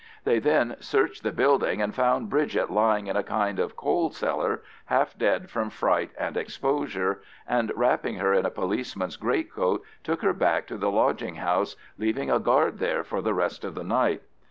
They then searched the building, and found Bridget lying in a kind of coal cellar, half dead from fright and exposure, and, wrapping her in a policeman's greatcoat, took her back to the lodging house, leaving a guard there for the rest of the night.